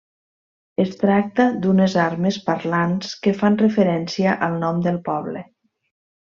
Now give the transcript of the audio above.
Es tracta d'unes armes parlants que fan referència al nom del poble.